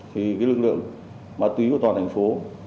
thì cái lực lượng ma túy của toàn thành phố